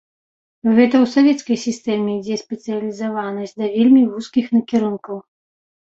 Гэта ў савецкай сістэме ідзе спецыялізаванасць да вельмі вузкіх накірункаў.